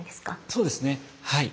そうですねはい。